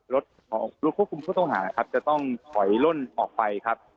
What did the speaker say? รถของรถควบคุมผู้ต้องหานะครับจะต้องถอยล่นออกไปครับ